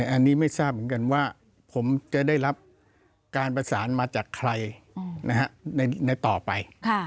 อันนี้ไม่ทราบเหมือนกันว่าผมจะได้รับการประสานมาจากใครในต่อไป